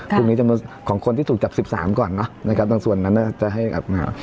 คุณนี้จะเป็นของคนที่ถูกจับ๑๓ก่อนตั้งส่วนนั้นจะให้ออกมา